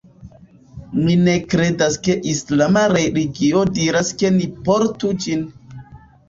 Mi ne kredas ke islama religio diras ke ni portu ĝin.